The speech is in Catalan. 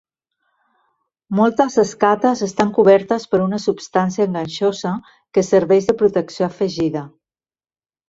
Moltes escates estan cobertes per una substància enganxosa que serveix de protecció afegida.